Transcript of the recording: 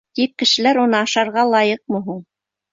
Тик кешеләр уны ашарға лайыҡмы һуң?